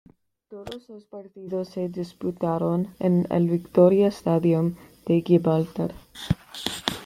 Todos los partidos se disputaron en el Victoria Stadium de Gibraltar.